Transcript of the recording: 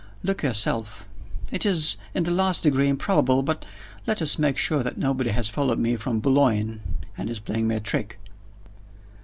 Look yourself. It is in the last degree improbable but let us make sure that nobody has followed me from Boulogne, and is playing me a trick."